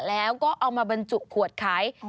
แล้วก็เอามาบรรจุขวดขาย